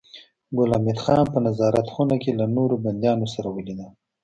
ګل حمید خان په نظارت خونه کې له نورو بنديانو سره ولیدل